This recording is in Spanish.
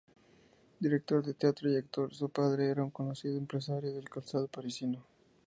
Director de teatro y actor, su padre era un conocido empresario del calzado parisino.